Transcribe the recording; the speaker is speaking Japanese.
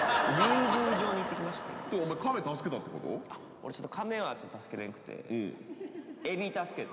俺ちょっと亀は助けれんくてエビ助けて。